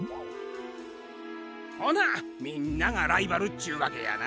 ほなみんながライバルっちゅうわけやな。